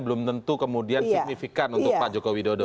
belum tentu kemudian signifikan untuk pak joko widodo